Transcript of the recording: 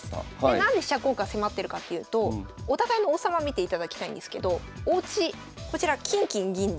何で飛車交換迫ってるかっていうとお互いの王様見ていただきたいんですけどおうちこちら金金銀で。